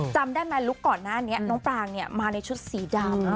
จำได้ไหมลุคก่อนหน้านี้น้องปรางมาในชุดสีดำ